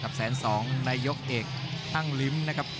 กับแสนสองนายกเอกอังลิม๕๑กิโลกรัม